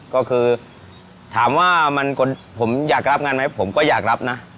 ก็คือถามว่าผมอยากรับงานไหมผมก็อยากรับนะ